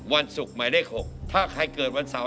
วันศุกร์หมายเลข๖ถ้าใครเกิดวันเสาร์